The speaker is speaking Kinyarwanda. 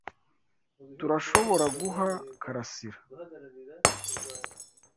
Turashoboraguha Karasira?